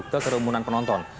ke kerumunan penonton